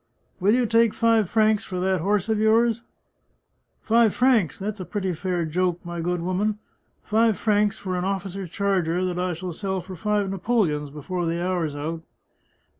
" Will you take five francs for that horse of yours ?"" Five francs ! That's a pretty fair joke, my good woman! Five francs for an officer's charger that I shall sell for five napoleons before the hour's out